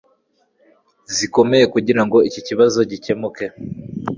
zikomeye kugirango iki kibazo gikemuke